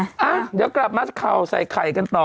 อ่ะเดี๋ยวกลับมาข่าวใส่ไข่กันต่อ